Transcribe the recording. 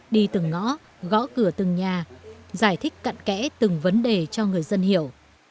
đi từng ngõ gõ cửa từng nhà giải thích cận kẽ từng vấn đề cho người dân hiểu